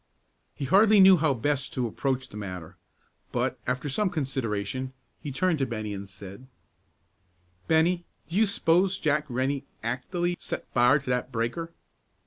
He hardly knew how best to approach the matter, but, after some consideration, he turned to Bennie and said, "Bennie, do you s'pose Jack Rennie act'ally set fire to that breaker?"